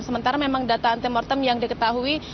sementara memang data anti mortem yang diketahui